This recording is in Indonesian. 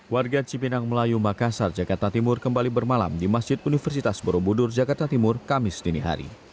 warga cipinang melayu makassar jakarta timur kembali bermalam di masjid universitas borobudur jakarta timur kamis dinihari